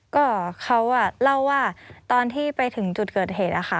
ก็เขาเล่าว่าตอนที่ไปถึงจุดเกิดเหตุนะคะ